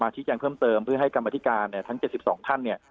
ชี้แจงเพิ่มเติมเพื่อให้กรรมธิการทั้ง๗๒ท่าน